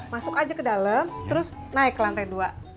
masuk aja ke dalam terus naik ke lantai dua